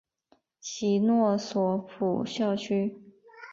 其诺索普校区。